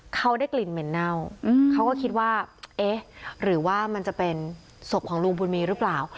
เขาได้กลิ่นเหม็นเน่าเขาก็คิดว่าเอ๊ะหรือว่ามันจะเป็นศพของลุงบุญมีหรือเปล่า